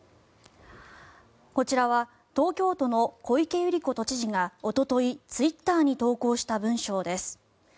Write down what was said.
こちらは東京都の小池百合子都知事がおとといツイッターに投稿した文章です。